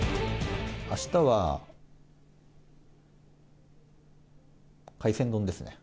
あしたは、海鮮丼ですね。